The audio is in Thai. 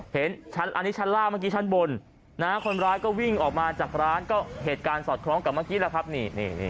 เห็นอันนี้ชั้นล่างเมื่อกี้ชั้นบนคนร้ายก็วิ่งออกมาจากร้านก็เหตุการณ์สอดคล้องกับเมื่อกี้แล้วครับนี่